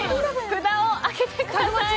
札を上げてください。